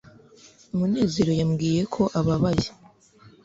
munezero yambwiye ko ababaye